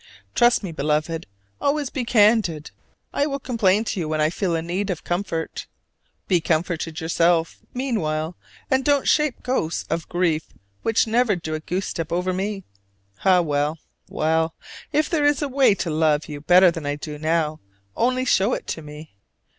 Trust me, Beloved, always to be candid: I will complain to you when I feel in need of comfort. Be comforted yourself, meanwhile, and don't shape ghosts of grief which never do a goose step over me! Ah well, well, if there is a way to love you better than I do now, only show it me!